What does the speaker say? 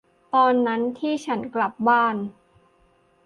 ตอนนั้นที่ฉันกลับบ้าน